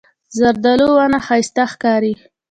زردالو ونه ښایسته ښکاري.